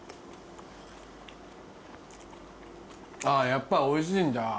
あぁやっぱおいしいんだ。